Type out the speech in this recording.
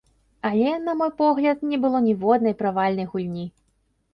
Але, на мой погляд, не было ніводнай правальнай гульні.